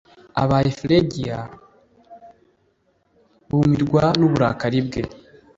abaye Phlegiya bamirwa n'uburakari bwe